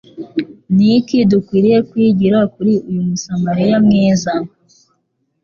Niki dukwiye kwigira kuri uyu musamariya mwiza?